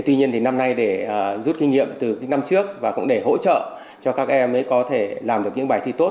tuy nhiên thì năm nay để rút kinh nghiệm từ những năm trước và cũng để hỗ trợ cho các em mới có thể làm được những bài thi tốt